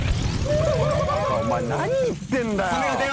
お前何言ってんだよ